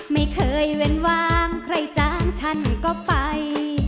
ไม่เคยเว้นวางใครจ้างฉันก็ไป